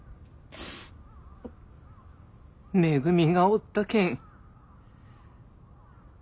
めぐみがおったけん。